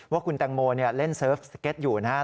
ว่าคุณแตงโมเล่นเซิร์ฟสเก็ตอยู่นะครับ